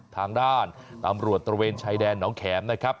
ทางด้านตำรวจตระเวนชายแดนน้องแขมนะครับ